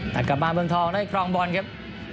ตัดกลับมาเบื้องทองในครองบอลครับ